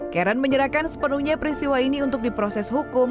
karen menyerahkan sepenuhnya peristiwa ini untuk diproses hukum